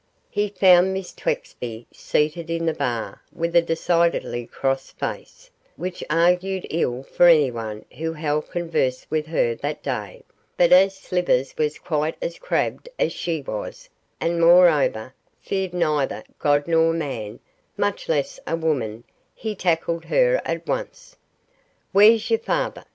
He found Miss Twexby seated in the bar, with a decidedly cross face, which argued ill for anyone who held converse with her that day; but as Slivers was quite as crabbed as she was, and, moreover, feared neither God nor man much less a woman he tackled her at once. 'Where's your father?